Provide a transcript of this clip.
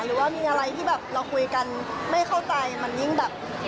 หรือว่ามีอะไรที่แบบเราคุยกันไม่เข้าใจมันยิ่งแบบ